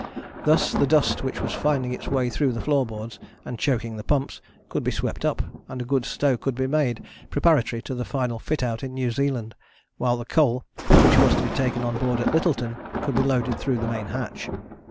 Thus the dust which was finding its way through the floorboards, and choking the pumps, could be swept up, and a good stow could be made preparatory to the final fit out in New Zealand, while the coal which was to be taken on board at Lyttelton could be loaded through the main hatch.